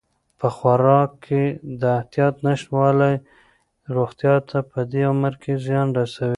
په خوراک کې د احتیاط نشتوالی روغتیا ته په دې عمر کې زیان رسوي.